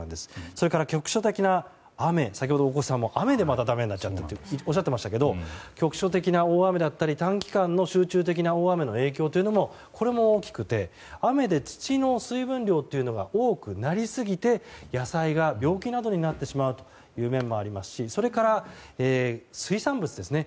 それから局所的な雨先ほど大越さんも雨でまただめになったとおっしゃっていましたが局所的な大雨だったり短期間の集中的な大雨の影響というのも大きくて雨で土の水分量が多くなりすぎて野菜が病気などになってしまうという面もありますしそれから水産物ですね。